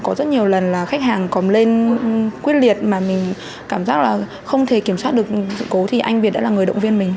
có rất nhiều lần là khách hàng cóm lên quyết liệt mà mình cảm giác là không thể kiểm soát được sự cố thì anh việt đã là người động viên mình